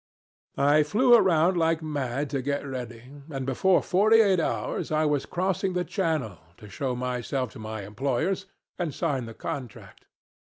"I flew around like mad to get ready, and before forty eight hours I was crossing the Channel to show myself to my employers, and sign the contract.